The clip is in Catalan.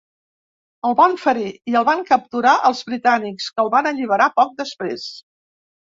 El van ferir i el van capturar els britànics, que el van alliberar poc després.